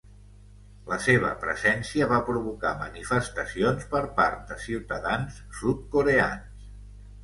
La seva presència va provocar manifestacions per part de ciutadans sud-coreans.